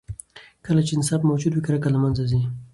کله چې انصاف موجود وي، کرکه له منځه ځي.